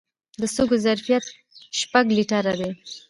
د سږو ظرفیت شپږ لیټره دی.